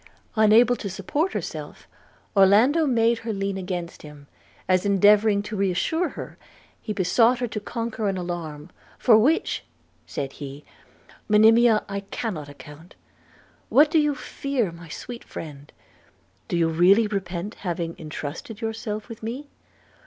Unable to support herself, Orlando made her lean against him, as endeavouring to re assure her, he besought her to conquer an alarm, 'for which,' said he, 'Monimia, I cannot account. What do you fear, my sweet friend? Do you already repent having entrusted yourself with me?'